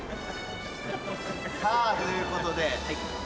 さあということで。